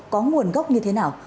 có nguồn gốc như thế nào